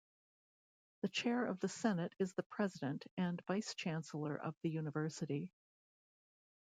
The Chair of the Senate is the President and Vice-Chancellor of the University.